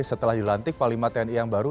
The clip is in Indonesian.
setelah dilantik panglima tni yang baru